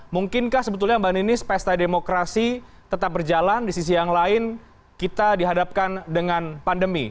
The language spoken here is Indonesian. mungkinkah sebetulnya mbak ninis pesta demokrasi tetap berjalan di sisi yang lain kita dihadapkan dengan pandemi